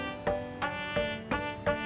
tidak ada yang bisa diberikan